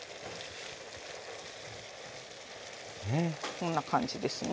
こんな感じですね。